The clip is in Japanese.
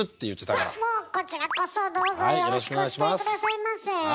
もうこちらこそどうぞよろしくお伝え下さいませ。